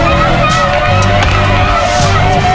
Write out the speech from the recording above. เร็วเร็วเร็ว